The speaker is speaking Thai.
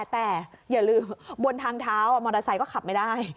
แต่อย่าลืมบนทางเท้ามอเตอร์ไซค์ก็ขับไม่ได้